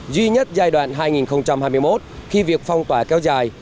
duy nhất giai đoạn hai nghìn hai mươi một khi việc phong tỏa kéo dài